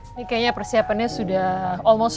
ini kayaknya persiapannya sudah hampir siap